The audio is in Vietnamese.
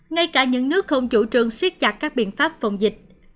ngay cả những nước không chủ trương siết chặt các biện pháp phòng dịch